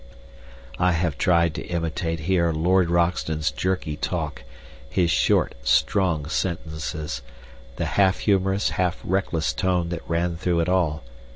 I have tried to imitate here Lord Roxton's jerky talk, his short, strong sentences, the half humorous, half reckless tone that ran through it all.